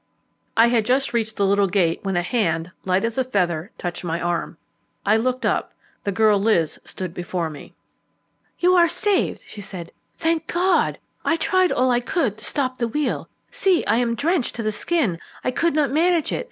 I had just reached the little gate when a hand, light as a feather, touched my arm. I looked up; the girl Liz stood before me. "You are saved," she said; "thank God! I tried all I could to stop the wheel. See, I am drenched to the skin; I could not manage it.